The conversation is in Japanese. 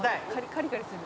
「カリカリしてる」